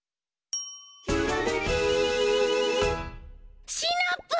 「ひらめき」シナプー！